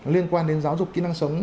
liên quan đến giáo dục kỹ năng sống